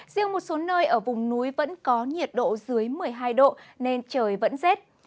riêng một số nơi ở vùng núi vẫn có nhiệt độ dưới một mươi hai độ nên trời vẫn rét